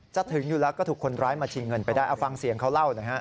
จะถึงอยู่แล้วก็ถูกคนร้ายมาชิงเงินไปได้เอาฟังเสียงเขาเล่าหน่อยฮะ